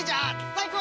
最高！